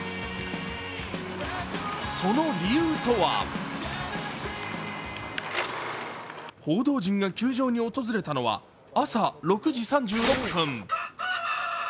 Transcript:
その理由とは報道陣が球場に訪れたのは朝６時３６分。